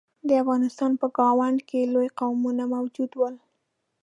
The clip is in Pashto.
د افغانستان په ګاونډ کې لوی قومونه موجود ول.